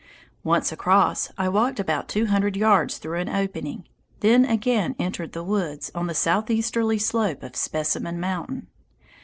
Once across, I walked about two hundred yards through an opening, then again entered the woods, on the southeasterly slope of Specimen Mountain.